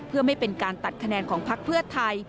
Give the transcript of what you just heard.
เพื่อไม่เป็นการตัดคะแนนของพักเพื่อไทย